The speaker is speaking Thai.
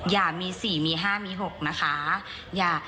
อย่ามีสี่มีห้ามีหกนะคะ